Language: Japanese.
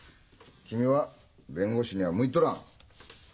君は弁護士には向いとらん。